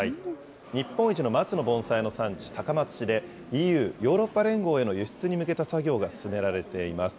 日本一の松の盆栽の産地、高松市で、ＥＵ・ヨーロッパ連合への輸出に向けた作業が進められています。